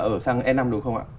ở sang e năm đúng không ạ